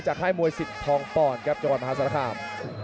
ค่ายมวยสิทธองปอนครับจังหวัดมหาศาลคาม